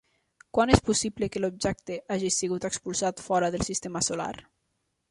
Quan és possible que l'objecte hagi sigut expulsat fora del sistema solar?